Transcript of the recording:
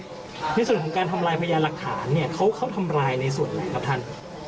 ในส่วนของการทำลายพยานหลักฐานเนี่ยเขาทำลายในส่วนไหนครับท่าน